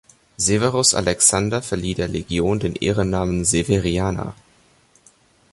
Severus Alexander verlieh der Legion den Ehrennamen "Severiana".